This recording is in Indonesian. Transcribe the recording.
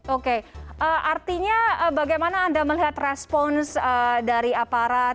oke artinya bagaimana anda melihat respons dari aparat